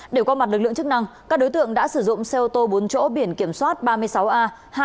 để có mặt lực lượng chức năng các đối tượng đã sử dụng xe ô tô bốn chỗ biển kiểm soát ba mươi sáu a hai mươi bảy nghìn bảy trăm tám mươi bốn